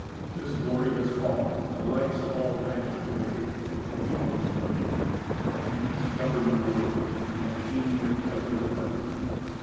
This glory has fallen, Delights have all vanished away; the weak ones remain. And these govern the world, obtaining their pleasure with effort.